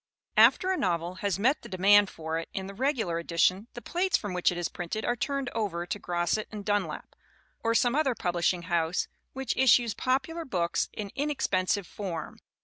After a novel has met the demand for it in the regular edition the plates from which it is printed are turned over to Grosset & Dunlap or some other publishing house which issues popular books in inexpensive form.